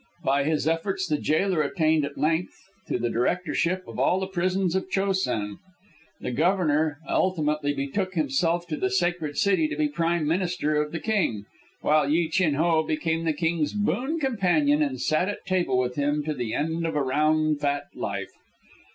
By his efforts the jailer attained at length to the directorship of all the prisons of Cho sen; the Governor ultimately betook himself to the Sacred City to be Prime Minister to the King, while Yi Chin Ho became the King's boon companion and sat at table with him to the end of a round, fat life.